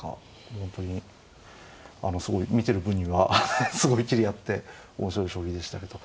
本当にあのすごい見てる分にはすごい斬り合って面白い将棋でしたけど。